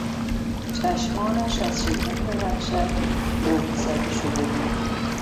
چشمانش از شدت وحشت بهت زده شده بود.